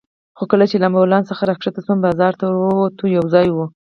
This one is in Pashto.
خو کله چې له امبولانس څخه راکښته شوم، بازار ته ورته یو ځای و.